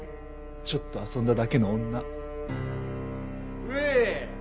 ちょっと遊んだだけの女うい！